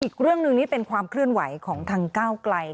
อีกเรื่องหนึ่งนี่เป็นความเคลื่อนไหวของทางก้าวไกล